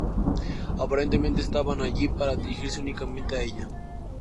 Aparentemente estaban allí para dirigirse únicamente a ella".